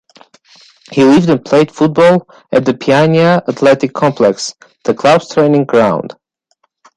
He lived and played football at the Paiania athletic complex, the club's training ground.